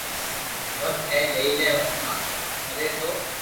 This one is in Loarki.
وقت ھي لئي لي ورنہ مري تو